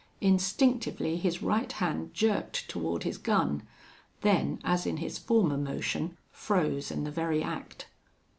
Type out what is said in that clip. Instinctively his right hand jerked toward his gun; then, as in his former motion, froze in the very act.